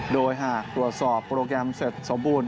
โดยหากตรวจสอบโปรแกรมเสร็จสมบูรณ